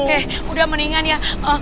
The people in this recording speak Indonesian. eh udah mendingan ya